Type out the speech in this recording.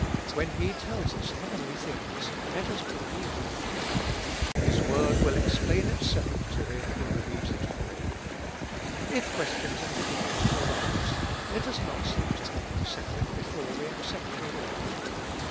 When He tells us heavenly things, let us believe Him ; His Word will explain itself to him who believes it fully. If questions and difficulties arise, let us not seek to have them settled before we accept the Word.